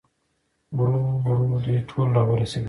ورو ورو دوی ټول راورسېدل.